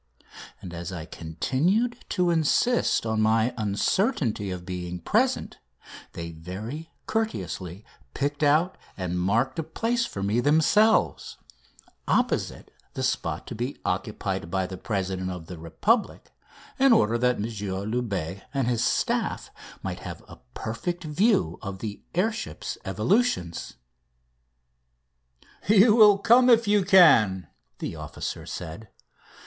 And, as I continued to insist on my uncertainty of being present, they very courteously picked out and marked a place for me themselves, opposite the spot to be occupied by the President of the Republic, in order that M. Loubet and his staff might have a perfect view of the air ship's evolutions. "You will come if you can," the officers said.